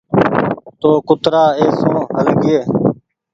تو ڪترآ اي سون هل گيئي